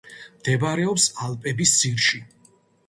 მდებარეობს ალპების ძირში.